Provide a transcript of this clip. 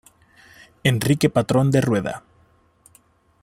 Enrique Patrón De Rueda.